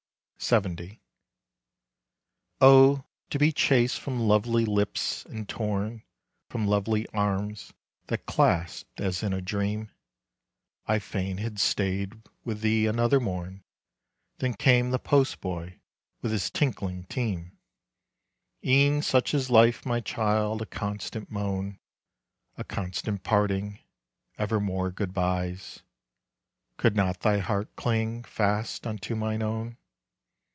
LXX. Oh, to be chased from lovely lips! and torn From lovely arms that clasped as in a dream. I fain had stayed with thee another morn. Then came the postboy with his tinkling team. E'en such is life, my child, a constant moan A constant parting, evermore good byes, Could not thy heart cling fast unto mine own?